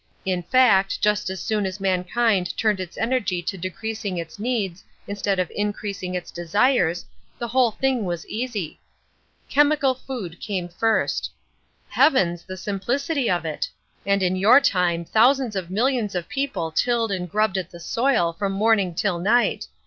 In fact, just as soon as mankind turned its energy to decreasing its needs instead of increasing its desires, the whole thing was easy. Chemical Food came first. Heavens! the simplicity of it. And in your time thousands of millions of people tilled and grubbed at the soil from morning till night.